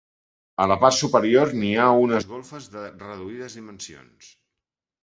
A la part superior n'hi ha unes golfes de reduïdes dimensions.